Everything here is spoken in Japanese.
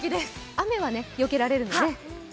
雨はよけられるのね。